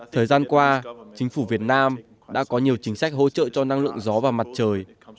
thời gian qua chính phủ việt nam đã có nhiều chính sách hỗ trợ cho năng lượng gió và mặt trời